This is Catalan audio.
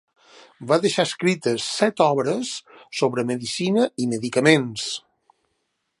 Va deixar escrites set obres sobre medicina i medicaments.